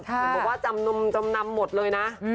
บอกว่าจำนำหมดเลยนะ